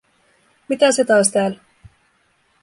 Mitä se taas täällä?